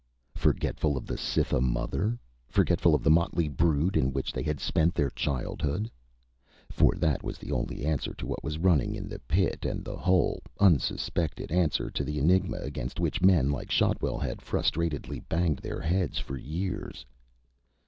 Forgetful of the Cytha mother? Forgetful of the motley brood in which they had spent their childhood? For that was the only answer to what was running in the pit and the whole, unsuspected answer to the enigma against which men like Shotwell had frustratedly banged their heads for years.